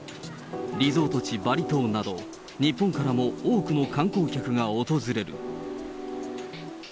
リゾート地バリ島など、日本からも多くの観光客が訪れる。